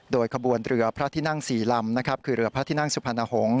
โดยขบวนเรือพระที่นั่ง๔ลำนะครับคือเรือพระที่นั่งสุพรรณหงษ